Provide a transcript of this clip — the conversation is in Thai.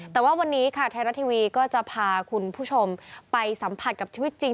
แต่ว่าวันนี้ค่ะไทยรัฐทีวีก็จะพาคุณผู้ชมไปสัมผัสกับชีวิตจริง